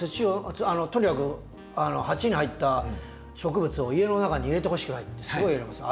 あのとにかく鉢に入った植物を家の中に入れてほしくないってすごい言われます。